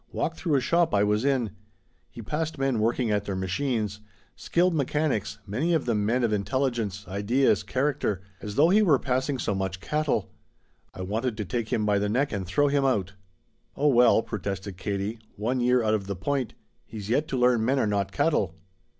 walked through a shop I was in. He passed men working at their machines skilled mechanics, many of them men of intelligence, ideas, character as though he were passing so much cattle. I wanted to take him by the neck and throw him out!" "Oh well," protested Katie, "one year out of the Point! He's yet to learn men are not cattle."